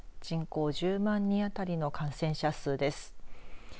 人口１０万人あたりの感染者数です。